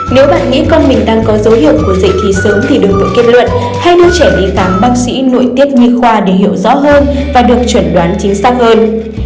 nếu bạn nghĩ con mình đang có dấu hiệu của dạy thi sớm thì đừng tự kết luận hay đưa trẻ đi khám bác sĩ nội tiết nhi khoa để hiểu rõ hơn và được chuẩn đoán chính xác hơn